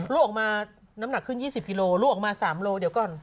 ร่วงมาน้ำหนักขึ้น๒๐กิโลกรัมร่วงมา๓กิโลกรัมเดี๋ยวก่อน